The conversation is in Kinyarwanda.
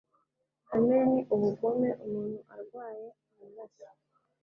Kamere ni ubugome, umuntu arwaye amaraso ':